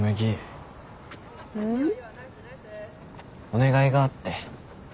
お願いがあって。